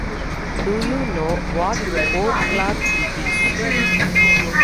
Do you know what o’clock it is?